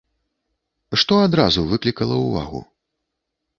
Што адразу выклікала ўвагу?